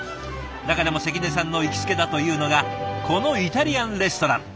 中でも関根さんの行きつけだというのがこのイタリアンレストラン。